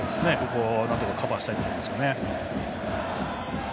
なんとかカバーしたいところですね。